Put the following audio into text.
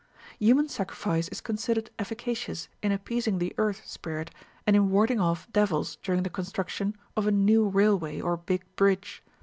Human sacrifice is considered efficacious in appeasing the earth spirit, and in warding off devils during the construction of a new railway or big bridge.